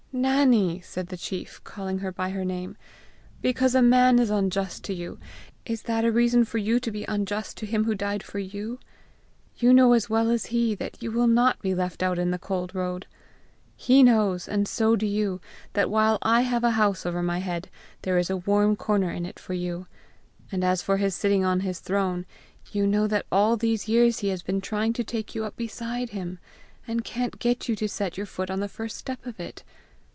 "Nannie!" said the chief, calling her by her name, "because a man is unjust to you, is that a reason for you to be unjust to him who died for you? You know as well as he, that you will not be left out on the cold road. He knows, and so do you, that while I have a house over my head, there is a warm corner in it for you! And as for his sitting on his throne, you know that all these years he has been trying to take you up beside him, and can't get you to set your foot on the first step of it!